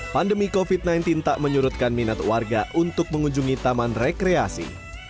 pandemi covid sembilan belas tak menyurutkan minat warga untuk mengunjungi taman rekreasi